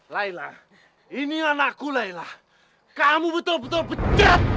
layla ini anakku layla kamu betul betul becat